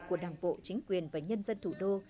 của đảng bộ chính quyền và nhân dân thủ đô